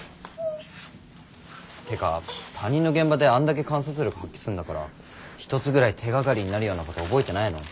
ってか他人の現場であんだけ観察力発揮すんだから一つぐらい手がかりになるようなこと覚えてないの？